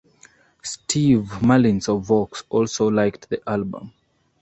Steve Malins of "Vox" also liked the album.